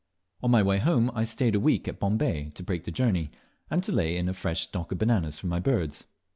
On my way home I stayed a week at Bombay, to break the journey, and to lay in a fresh stock of bananas for my birds.